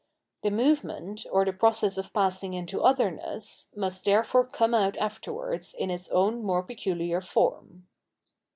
The movement, or the process of passing into otherness, must therefore come out afterwards in its own more peculiar form.